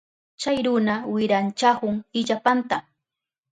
Chay runa wiranchahun illapanta.